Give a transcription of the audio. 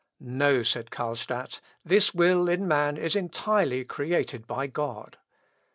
" "No," said Carlstadt, "this will in man is entirely created by God."